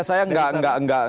ada makna tersendiri nggak sih